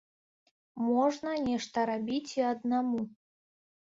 Можна нешта рабіць і аднаму.